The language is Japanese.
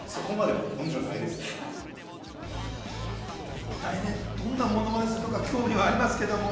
一体どんなモノマネをするか興味はありますけども。